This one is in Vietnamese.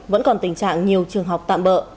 vẫn còn tình trạng nhiều trường học tạm bỡ